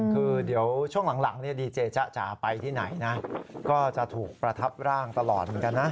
คือเดี๋ยวช่วงหลังดีเจจ๊ะจ๋าไปที่ไหนนะก็จะถูกประทับร่างตลอดเหมือนกันนะ